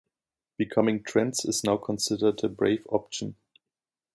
Becoming trans is now considered the brave option.